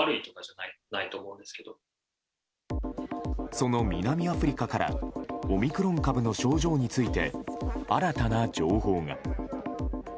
その南アフリカからオミクロン株の症状について新たな情報が。